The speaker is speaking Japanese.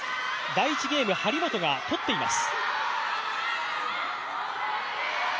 第１ゲーム、張本が取っています。